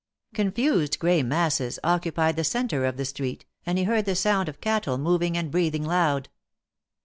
Con fused gray masses occupied the centre of the street, and lie heard the sound of cattle moving and breathing loud.